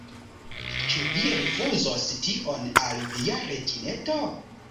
Ĉu Vi rifuzos tion al Via reĝineto?